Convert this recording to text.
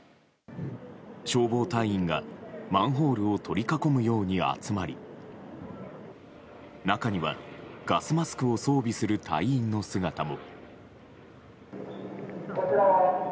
消防隊員がマンホールを取り囲むように集まり中には、ガスマスクを装備する隊員の姿も。